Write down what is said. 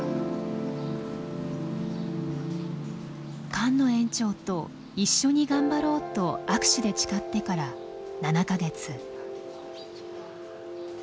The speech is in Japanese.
菅野園長と一緒に頑張ろうと握手で誓ってから７か月。